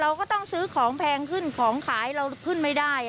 เราก็ต้องซื้อของแพงขึ้นของขายเราขึ้นไม่ได้